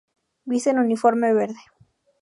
visten uniforme verde